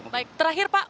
baik terakhir pak